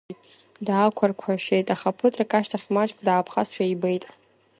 Даақәарқәашьеит, аха ԥыҭрак ашьҭахь маҷк дааԥхазшәа ибеит.